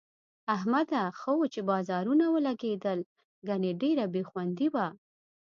احمده! ښه وو چې بازارونه ولږېدل، گني ډېره بې خوندي وه.